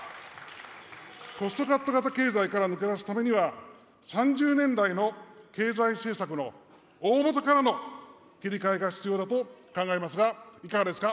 コストカット型経済から抜け出すためには、３０年来の経済政策の大本からの切り替えが必要だと考えますが、いかがですか。